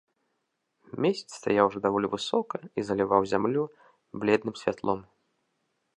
Месяц стаяў ужо даволі высока і заліваў зямлю бледным святлом.